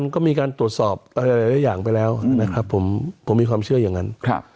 ก็มีการตรวจสอบอะไรหลายอย่างไปแล้วนะครับผมมีความเชื่ออย่างนั้น